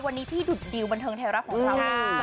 วันนี้พี่ดุบนเทิงแท้ยรักของคราวเหมือนกัน